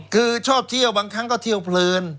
คือชอบเที่ยวบางครั้งก็เที่ยวเพลิน